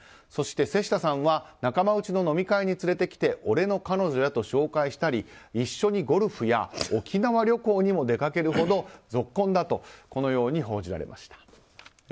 そして、瀬下さんは仲間内の飲み会に連れてきて俺の彼女やと紹介したり一緒にゴルフや沖縄旅行にも出かけるほどぞっこんだと報じられました。